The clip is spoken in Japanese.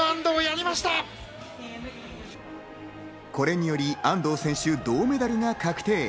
これにより安藤選手の銅メダルが確定。